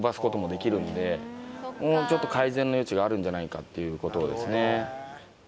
さっきの少しもうちょっと改善の余地があるんじゃないかっていうことですね